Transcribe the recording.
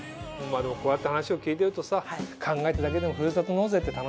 こうやって話を聞いてるとさ考えただけでもふるさと納税って楽しいよね。